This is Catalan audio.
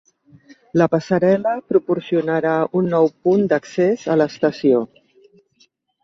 La passarel·la proporcionarà un nou punt d'accés a l'estació.